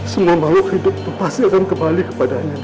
semua makhluk hidup itu pasti akan kembali kepadanya